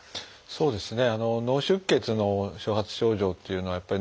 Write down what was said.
そうですね